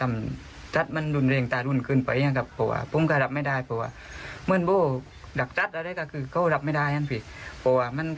มันจะปลอดภัยนะแต่อากาศมันเปลี่ยน